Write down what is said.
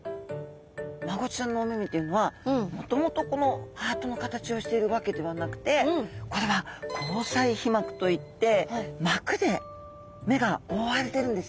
マゴチちゃんのお目目っていうのはもともとこのハートの形をしているわけではなくてこれは虹彩皮膜といって膜で目が覆われてるんですね。